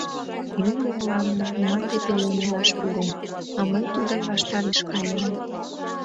Юмо мыланна мланде пелен илаш пӱрен, а мый тудын ваштареш каенам.